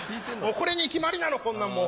これに決まりなのこんなんもう。